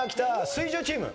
水１０チーム。